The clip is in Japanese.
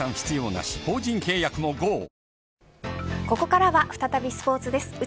ここからは再びスポーツです。